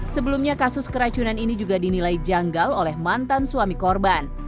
sebelumnya kasus keracunan ini juga dinilai janggal oleh mantan suami korban